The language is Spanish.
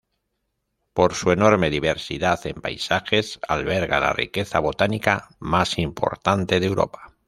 Por su enorme diversidad en paisajes, alberga la riqueza botánica más importante de Europa.